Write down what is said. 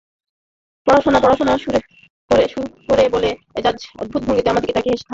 পড়াশোনা, পড়াশোনা—সুর করে বলে এজাজ অদ্ভুত ভঙ্গিতে আমার দিকে তাকিয়ে হাসতে লাগল।